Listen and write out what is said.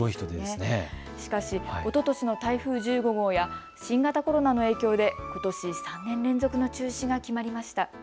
しかしおととしの台風１５号や新型コロナの影響でことし３年連続の中止が決まりました。